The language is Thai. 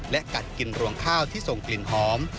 และกัดกินรวงข้าวที่ส่งกลิ่นหอม